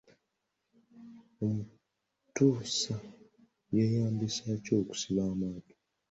Omutuusa yeeyambisa ki okusiba amaato?